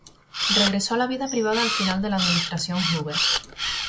Regresó a la vida privada al final de la administración Hoover.